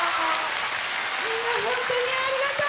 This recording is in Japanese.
みんなほんとにありがとう！